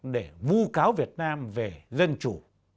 để vu cáo việt nam về dân chủ